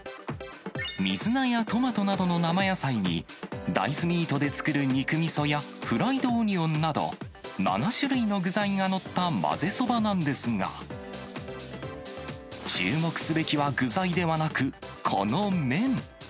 水菜やトマトなどの生野菜に、大豆ミートで作る肉みそやフライドオニオンなど、７種類の具材が載ったまぜそばなんですが、注目すべきは具材ではなく、この麺。